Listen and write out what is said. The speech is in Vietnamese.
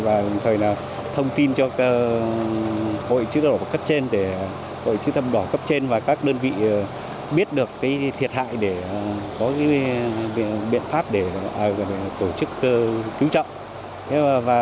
và thông tin cho hội chia thập đỏ cấp trên và các đơn vị biết được thiệt hại để có biện pháp để tổ chức cứu trọng